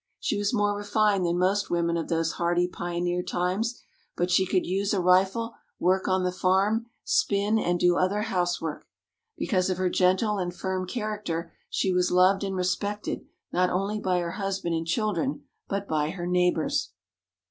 She was more refined than most women of those hardy pioneer times, but she could use a rifle, work on the farm, spin, and do other housework. Because of her gentle and firm character, she was loved and respected not only by her husband and children, but by her neighbours.